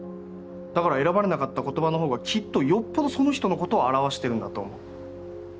だから選ばれなかった言葉の方がきっとよっぽどその人のことを表してるんだと思う。